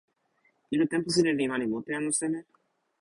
ilo tenpo sina li mani mute anu seme?